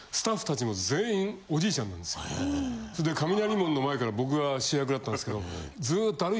雷門の前から僕が主役だったんですけどずっと。